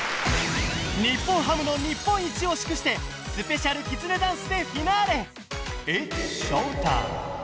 日本ハムの日本一を祝してスペシャルきつねダンスでフィナーレＩｔ’ｓｓｈｏｗｔｉｍｅ！